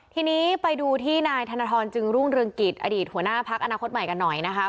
ทีนี้ไปดูที่นายธนทรจึงรุ่งเรืองกิจอดีตหัวหน้าพักอนาคตใหม่กันหน่อยนะคะ